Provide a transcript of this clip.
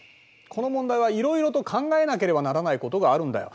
この問題はいろいろと考えなければならないことがあるんだよ。